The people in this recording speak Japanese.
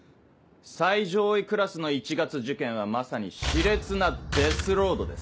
最上位クラスの一月受験はまさに熾烈なデスロードです。